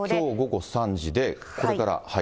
きょう午後３時で、これから。